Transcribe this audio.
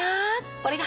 これが。